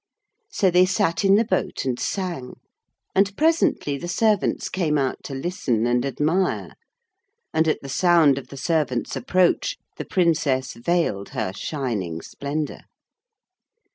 So they sat in the boat and sang. And presently the servants came out to listen and admire, and at the sound of the servants' approach the Princess veiled her shining splendour.